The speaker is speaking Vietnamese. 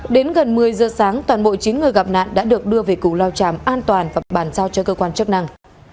đến gần một mươi giờ sáng toàn bộ chín người gặp nạn đã được đưa về củ lao tràm an toàn và bàn giao cho cơ quan chức năng